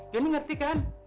johnny ngerti kan